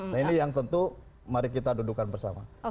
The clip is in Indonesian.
nah ini yang tentu mari kita dudukan bersama